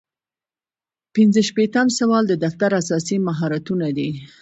پنځه شپیتم سوال د دفتر اساسي مهارتونه دي.